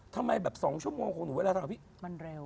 ทำไมแบบ๒ชั่วโมงของหนูเวลาทำกับพี่มันเร็ว